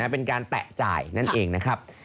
เป็นการแตะจ่ายนั่นเองนะครับ